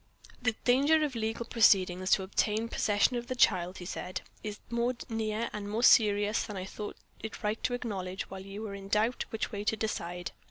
"The danger of legal proceedings to obtain possession of the child," he said, "is more near and more serious than I thought it right to acknowledge, while you were in doubt which way to decide.